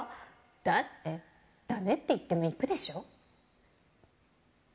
だって、だめって言っても行くでしょ？